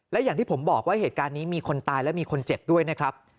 และอย่างที่ผมบอกว่าเหตุการณ์นี้มีคนตายและมีคนเจ็บด้วยนะครับ